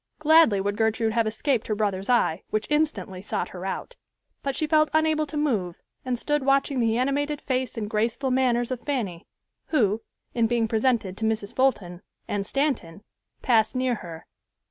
Gladly would Gertrude have escaped her brother's eye, which instantly sought her out; but she felt unable to move, and stood watching the animated face and graceful manners of Fanny, who, in being presented to Mrs. Fulton and Stanton, passed near her.